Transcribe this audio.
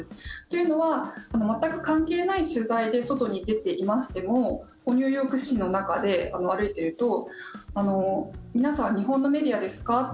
というのは全く関係ない取材で外に出ていましてもニューヨーク市の中を歩いていると皆さん、日本のメディアですか？